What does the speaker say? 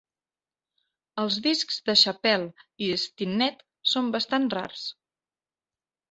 Els discs de Chappelle i Stinnette són bastant rars.